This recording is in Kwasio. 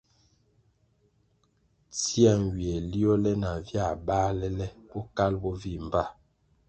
Tsia nywie liole nah via bālè le Bokalʼ bo vih mbpa.